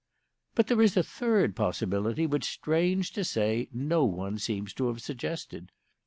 "But there is a third possibility, which, strange to say, no one seems to have suggested.